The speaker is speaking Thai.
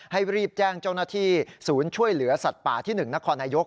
รีบแจ้งเจ้าหน้าที่ศูนย์ช่วยเหลือสัตว์ป่าที่๑นครนายก